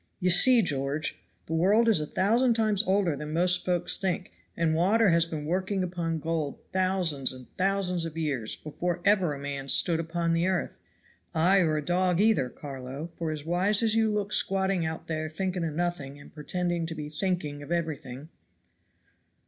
You see, George, the world is a thousand times older than most folks think, and water has been working upon gold thousands and thousands of years before ever a man stood upon the earth, ay or a dog either, Carlo, for as wise as you look squatting out there thinking of nothing and pretending to be thinking of everything."